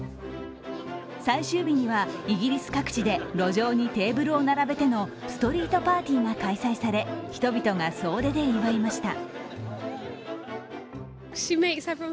最終日には、イギリス各地で路上にテーブルを並べてのストリートパーティーが開催され人々が総出で祝いました。